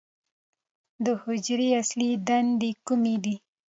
د حجرې اصلي دندې کومې دي؟